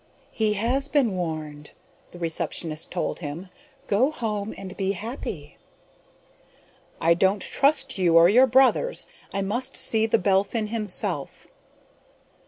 "He has been warned," the receptionist told him. "Go home and be happy!" "I don't trust you or your brothers. I must see The Belphin himself."